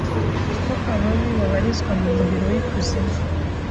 ko ababi bababarizwa mu muriro w’ikuzimu